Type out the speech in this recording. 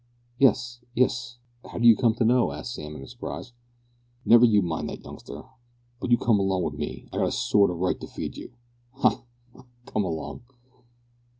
"Yes yes. How do you come to know?" asked Sam in surprise. "Never you mind that, youngster, but you come along wi' me. I've got a sort o' right to feed you. Ha! ha! come along."